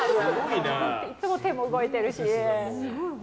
いつも手も動いてるし。